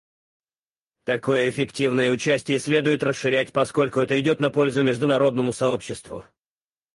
Такое эффективное участие следует расширять, поскольку это идет на пользу международному сообществу.